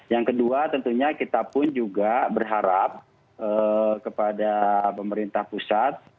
yang kedua tentunya kita pun juga berharap kepada pemerintah pusat